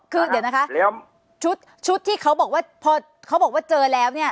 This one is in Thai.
คือเดี๋ยวนะคะชุดที่เขาบอกว่าพอเขาบอกว่าเจอแล้วเนี่ย